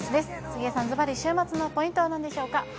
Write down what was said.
杉江さん、ずばり週末のポイントはなんでしょうか。